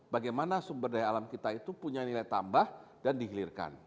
bagaimana sumber daya alam kita itu punya nilai tambah dan dihilirkan